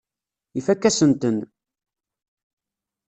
Ifakk-asent-ten.